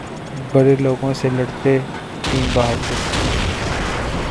برے لوگوں سے لڑتے تین بہادر